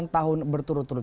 delapan tahun berturut turut